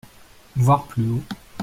(Voir plus haut).